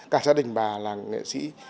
cả gia đình bà là nghệ sĩ